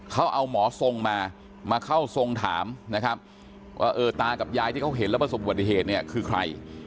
เขาเอาหมอทรงมามาเข้าทรงถามนะครับว่าเออตากับยายที่เขาเห็นแล้วประสบอุบัติเหตุเนี่ยคือใคร